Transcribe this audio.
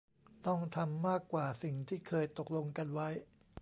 ต้องทำมากกว่าสิ่งที่เคยตกลงกันไว้